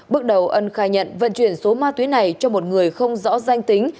bước đầu ân khai nhận vận chuyển số ma túy này cho một người không rõ danh tính